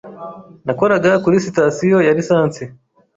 Nakoraga kuri sitasiyo ya lisansi.